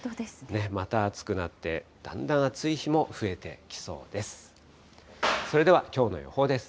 また暑くなって、だんだん暑い日も増えてきそうです。